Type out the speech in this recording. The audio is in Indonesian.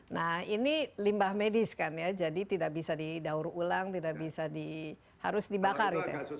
nah ini limbah medis kan ya jadi tidak bisa didaur ulang tidak bisa di harus dibakar gitu ya